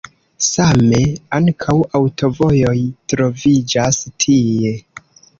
Same ankaŭ aŭtovojoj troviĝas tie.